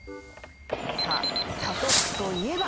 さあ鎖国といえば？